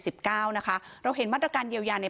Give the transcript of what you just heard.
สิบเก้านะคะเราเห็นมัดตราการเยียวยาใน